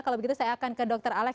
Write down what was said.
kalau begitu saya akan ke dr alex